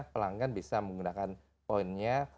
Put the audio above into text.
pelanggan bisa menggunakan poinnya